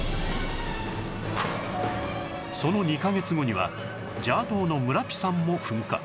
その２カ月後にはジャワ島のムラピ山も噴火